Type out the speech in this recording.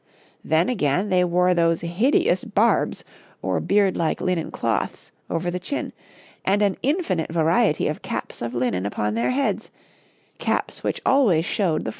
Then, again, they wore those hideous barbes or beard like linen cloths, over the chin, and an infinite variety of caps of linen upon their heads caps which showed always the form of the head beneath.